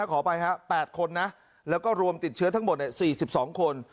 แล้วก็ขอไปฮะแปดคนนะแล้วก็รวมติดเชื้อทั้งหมดเนี่ยสี่สิบสองคน